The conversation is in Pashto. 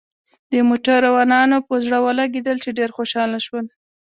د موټروانانو په زړه ولګېدل، چې ډېر خوشاله شول.